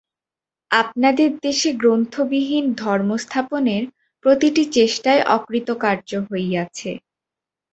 আপনাদের দেশে গ্রন্থবিহীন ধর্ম-স্থাপনের প্রতিটি চেষ্টাই অকৃতকার্য হইয়াছে।